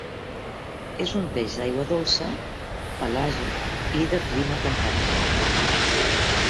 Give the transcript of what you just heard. És un peix d'aigua dolça, pelàgic i de clima temperat.